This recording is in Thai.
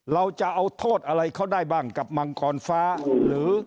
เราจะเอาโทษอะไรเขาได้บ้างกับมังกรฟ้าหรือ